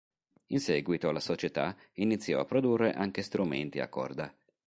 In seguito la società iniziò a produrre anche strumenti a corda.